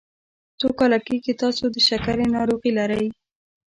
څو کاله کیږي چې تاسو د شکرې ناروغي لری؟